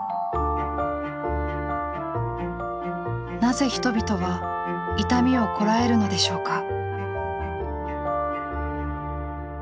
なぜ人々は痛みをこらえるのでしょうか。